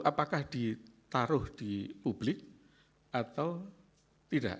apakah ditaruh di publik atau tidak